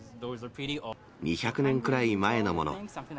２００年前くらいのもの。